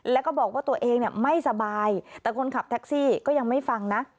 แล้วก็บอกว่าตัวเองไม่สบายแต่คนขับแท็กซี่ก็ยังไม่ฟังนะ